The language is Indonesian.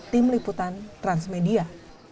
tim liputan transmedia